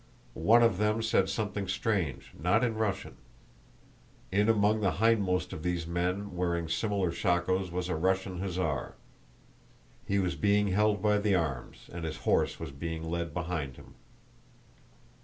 One of them said something strange, not in Russian. In among the hindmost of these men wearing similar shakos was a Russian hussar. He was being held by the arms and his horse was being led behind him.